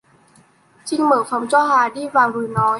Trinh mở phòng cho Hà đi vào rồi nói